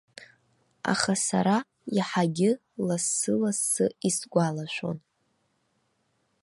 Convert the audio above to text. Аха сара иаҳагьы лассы-лассы исгәалашәон.